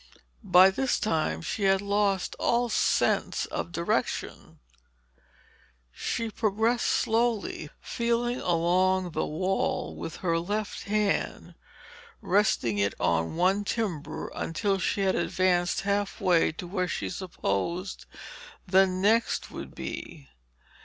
By this time she had lost all sense of direction. She progressed slowly, feeling along the wall with her left hand, resting it on one timber until she had advanced half way to where she supposed the next would be.